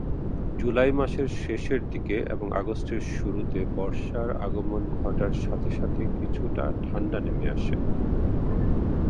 জুলাই মাসের শেষের দিকে এবং আগস্টের শুরুতে বর্ষার আগমন ঘটার সাথে সাথে কিছুটা ঠান্ডা নেমে আসে।